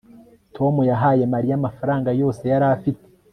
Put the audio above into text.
tom yahaye mariya amafaranga yose yari afite